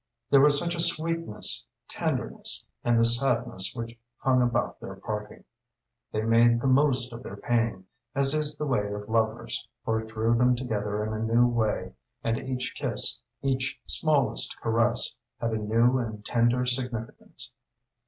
There was such a sweetness, tenderness, in the sadness which hung about their parting. They made the most of their pain, as is the way of lovers, for it drew them together in a new way, and each kiss, each smallest caress, had a new and tender significance.